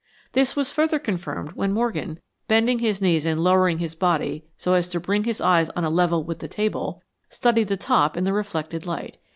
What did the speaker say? This was further confirmed when Morgan, bending his knees and lowering his body so as to bring his eyes on a level with the table, studied the top in the reflected light.